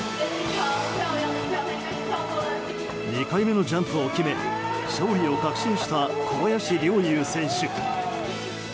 ２回目のジャンプを決め勝利を確信した小林陵侑選手。